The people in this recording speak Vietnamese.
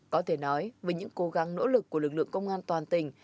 có thể nói với những cố gắng nỗ lực của lực lượng công an toàn tỉnh